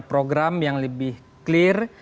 program yang lebih clear